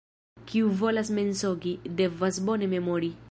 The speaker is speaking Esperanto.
Kiu volas mensogi, devas bone memori.